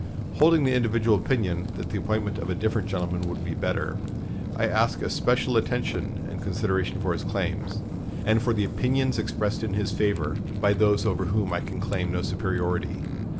Holding the individual opinion that the appointment of a different gentleman would be better, I ask especial attention and consideration for his claims, and for the opinions expressed in his favor by those over whom I can claim no superiority."